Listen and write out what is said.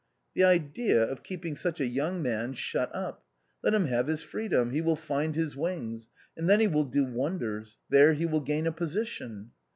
" The idea of keeping such a young man shut up ! Let him have his freedom, he will find bis wings, and then he will do wonders ; there he will gain a position."